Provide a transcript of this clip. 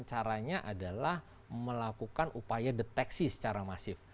caranya adalah melakukan upaya deteksi secara masif